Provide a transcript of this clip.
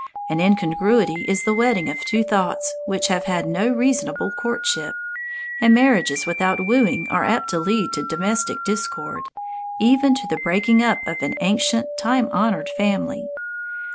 An incongruity is the wedding of two thoughts which have had no reasonable courtship, and marriages without wooing are apt to lead to domestic discord, even to the breaking up of an ancient, time honoured family.